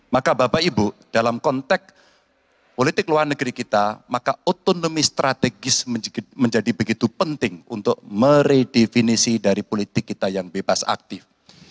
maka bapak ibu dalam konteks politik luar negeri kita maka otonomi strategis menjadi begitu penting untuk meredefinisi dari politik kita yang bebas aktif